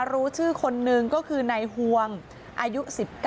รู้ชื่อคนนึงก็คือนายห่วงอายุ๑๙